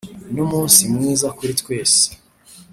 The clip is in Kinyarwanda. numunsi mwiza kuri twese.